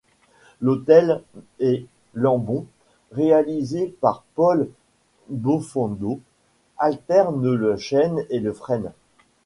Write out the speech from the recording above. L'autel et l'ambon, réalisés par Paul Bouffandeau, alternent le chêne et le frêne.